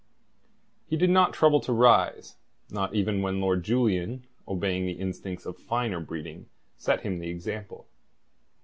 He did not trouble to rise, not even when Lord Julian, obeying the instincts of finer breeding, set him the example.